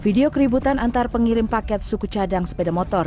video keributan antar pengirim paket suku cadang sepeda motor